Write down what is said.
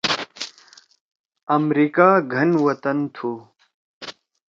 امریکا گھن وطن تُھو۔